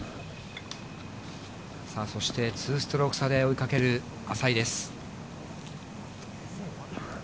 さあ、そして２ストローク差で追いかける淺井です。